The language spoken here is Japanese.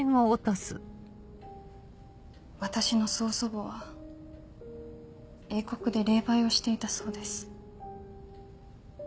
私の曽祖母は英国で霊媒をしていたそうです。